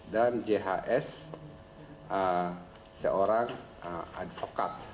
dan jhs seorang advokat